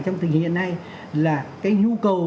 trong tình hình hiện nay là cái nhu cầu